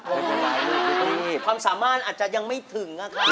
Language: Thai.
พร้อมสามารณอาจจะยังไม่ถึงนะครับ